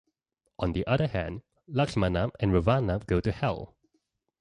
On the other hand, Lakshmana and Ravana go to Hell.